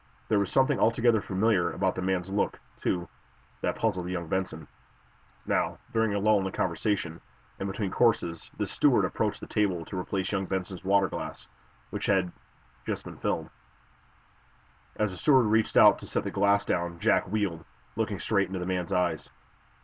There was something altogether familiar about the man's look, too, that puzzled young Benson. Now, during a lull in the conversation, and between courses, this steward approached the table to replace young Benson's water glass, which he had just filled. As the steward reached out to set the glass down Jack wheeled, looking straight into the man's eyes.